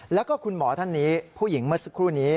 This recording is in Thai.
แล้วก็คุณหมอท่านนี้ผู้หญิงเมื่อสักครู่นี้